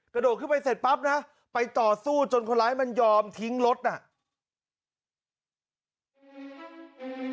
กระโดดขึ้นไปเสร็จปั๊บนะไปต่อสู้จนคนร้ายมันยอมทิ้งรถน่ะ